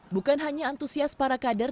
bukan hanya antusias para kader